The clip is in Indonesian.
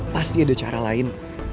pasti ada cara lain